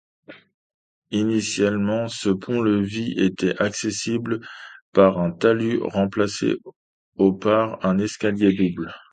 Initialement, ce pont-levis était accessible par un talus remplacé au par un escalier double.